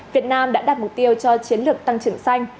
việt nam đã đạt mục tiêu cho chiến lược tăng trưởng xanh